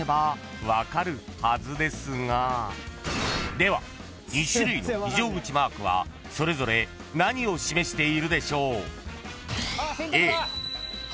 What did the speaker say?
［では２種類の非常口マークはそれぞれ何を示しているでしょう？］